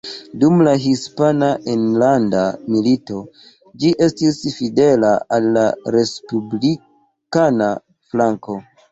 Dum la Hispana Enlanda Milito ĝi estis fidela al la respublikana flanko.